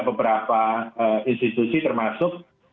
beberapa institusi termasuk